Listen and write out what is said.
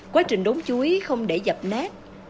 quá trình đốn chuối không để dập nát